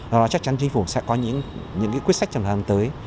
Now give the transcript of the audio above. rồi chắc chắn chính phủ sẽ có những quyết sách trong thời gian tới